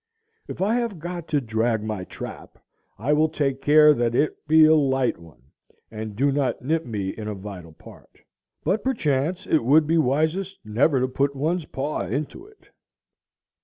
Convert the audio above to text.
If I have got to drag my trap, I will take care that it be a light one and do not nip me in a vital part. But perchance it would be wisest never to put one's paw into it.